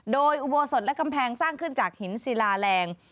โดยอุโบสถและกำแพงสร้างขึ้นจากหินศิลาแรง